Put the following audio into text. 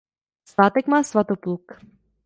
Svátek má Svatopluk.